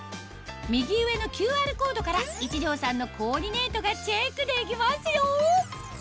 右上のＱＲコードから壱城さんのコーディネートがチェックできますよ